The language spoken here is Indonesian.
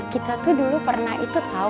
kita tuh dulu pernah itu tahu